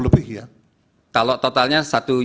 lebih ya kalau totalnya satu